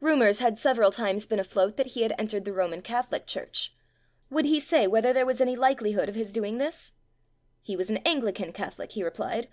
Rumors had sev eral times been afloat that he had en tered the Roman Catholic church. Would he say whether there was any likelihood of his doing this? He was an Anglican Catholic, he replied.